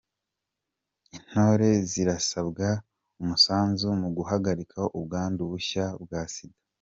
Intore zirasabwa umusanzu mu guhagarika ubwandu bushyashya bwa sida